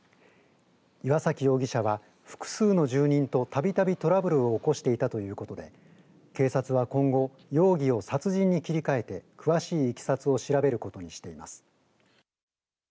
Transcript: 岩崎容疑者は、複数の住人とたびたびトラブルを起こしていたということで警察は今後容疑を殺人に切り替えて詳しいいきさつを調べることにしています。